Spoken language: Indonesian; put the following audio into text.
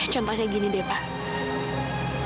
contohnya gini deh pak